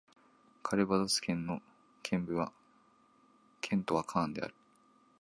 カルヴァドス県の県都はカーンである